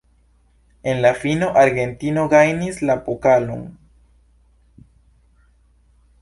En la fino, Argentino gajnis la pokalon.